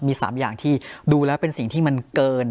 มี๓อย่างที่ดูแล้วเป็นสิ่งที่มันเกิน